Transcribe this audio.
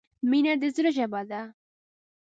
• مینه د زړۀ ژبه ده.